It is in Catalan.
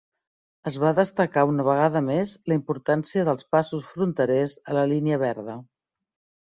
Es va destacar una vegada més la importància dels passos fronterers a la línia verda.